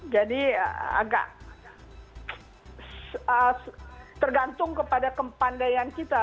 jadi agak tergantung kepada kepandaian kita